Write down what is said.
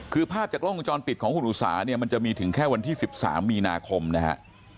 คือภาพจากกล้องวงจรปิดของคุณอุสาเนี่ยมันจะมีถึงแค่วันที่๑๓มีนาคมนะฮะ